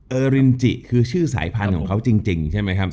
รินจิคือชื่อสายพันธุ์ของเขาจริงใช่ไหมครับ